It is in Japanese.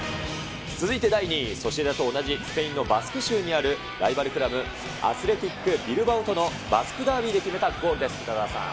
続いて第２位、ソシエダと同じスペインのバスク州にあるライバルクラブ、アスレティック・ビルバオとのバスクダービーで決めたゴールです、北澤さん。